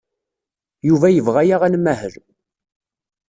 Yuba yebɣa-aɣ ad nmahel.